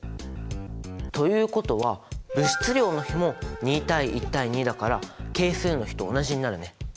ということは物質量の比も２対１対２だから係数の比と同じになるね。